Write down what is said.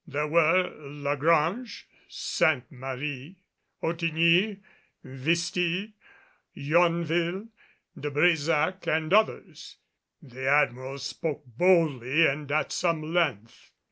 There were La Grange, Sainte Marie, Ottigny, Visty, Yonville, De Brésac and others. The Admiral spoke boldly and at some length.